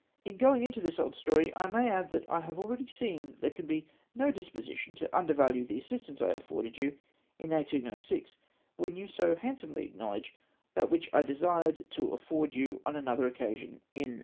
"In going into this old story, I may add that I have already seen that there can be no disposition to undervalue the assistance I afforded you in 1806, when you so handsomely acknowledge that wliich I desired to afford you on another occasion in 1809.'